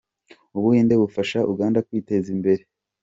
Ubuhinde bufasha Uganda kwiteza imbere.